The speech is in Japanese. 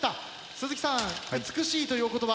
鈴木さん美しいというお言葉。